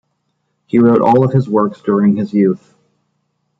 He wrote all of his works during his youth.